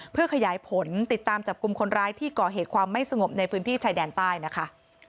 เพื่อขยายผลติดตามจับกลุ่มคนร้ายที่ก่อเหตุความไม่สงบในพื้นที่ชายแดนใต้นะคะ